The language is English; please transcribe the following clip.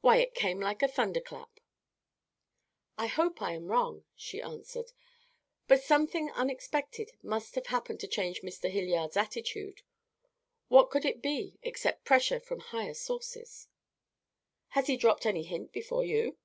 Why, it came like a thunderclap." "I hope I am wrong," she answered, "but something unexpected must have happened to change Mr. Hilliard's attitude. What could it be except pressure from higher sources?" "Has he dropped any hint before you?"